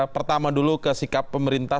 pertama dulu ke sikap pemerintah